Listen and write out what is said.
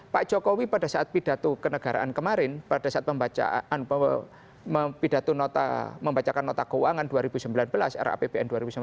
pak jokowi pada saat pidato kenegaraan kemarin pada saat pembacaan pidato nota membacakan nota keuangan dua ribu sembilan belas rapbn dua ribu sembilan belas